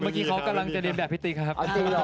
เมื่อกี้เขากำลังจะเรียนแบบพี่ติ๊กครับ